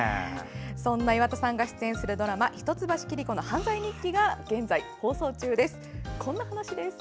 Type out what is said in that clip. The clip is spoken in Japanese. そんな岩田さんが出演するドラマ「一橋桐子の犯罪日記」が現在放送中です。